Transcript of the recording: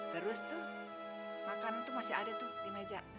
terus tuh makanan tuh masih ada tuh di meja